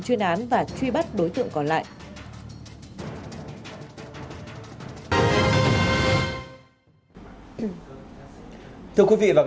chuyên án và truy bắt đối tượng còn lại